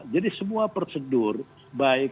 jadi semua prosedur baik